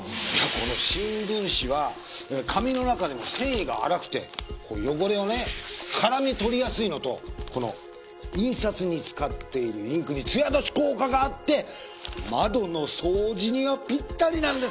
この新聞紙は紙の中でも繊維が粗くて汚れをね絡め取りやすいのとこの印刷に使っているインクにつや出し効果があって窓の掃除にはぴったりなんですよ。